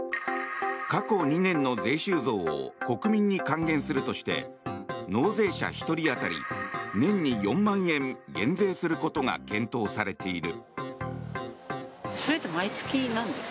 過去２年の税収増を国民に還元するとして納税者１人当たり年に４万円減税することが検討されている。